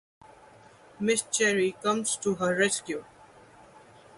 Miss Cheery comes to her rescue.